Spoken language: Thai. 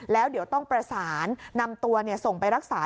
แล้วเดี๋ยวต้องประสานนำตัวส่งไปรักษา